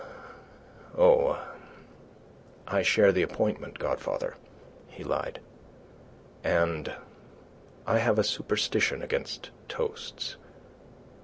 Oh, I share the appointment, godfather," he lied, "and I have a superstition against toasts."